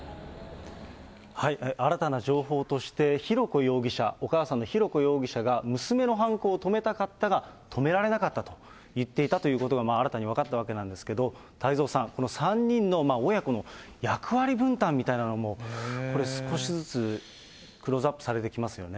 新たな情報として、浩子容疑者、お母さんの浩子容疑者が、娘の犯行を止めたかったが止められなかったと言っていたということが新たに分かったわけなんですけれども、太蔵さん、この３人の親子の役割分担みたいなものも、これ少しずつクローズアップされてきますよね。